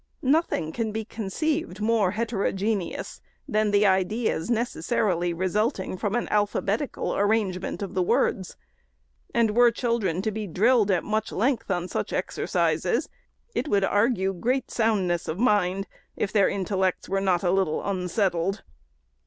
Nothing can be conceived more heterogeneous than the ideas neces sarily resulting from an alphabetical arrangement of the words ; and were children to be drilled at much length on such exercises, it would argue great soundness of mind if their intellects were not a little unsettled.